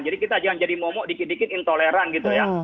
jadi kita jangan jadi momo dikit dikit intoleran gitu ya